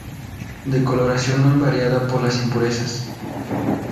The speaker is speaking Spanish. De coloración muy variada por las impurezas.